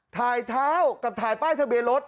เท้ากับถ่ายป้ายทะเบียนรถ